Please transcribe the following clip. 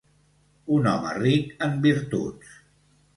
Un home ric en virtuts.